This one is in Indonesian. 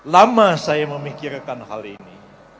lama saya memikirkan hal ini